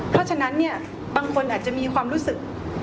เพราะฉะนั้นเนี่ยบางคนอาจจะมีความรู้สึก